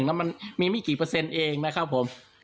แล้วมันมีไม่กี่เปอร์เซ็นต์เองนะครับผม